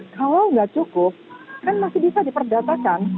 kalau nggak cukup kan masih bisa diperdatakan